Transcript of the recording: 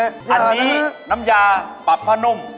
อันนี้น้ำยาปรับผ้านุ่ม